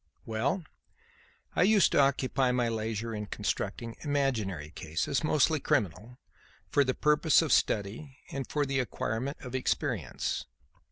"Well, I used to occupy my leisure in constructing imaginary cases, mostly criminal, for the purpose of study and for the acquirement of experience.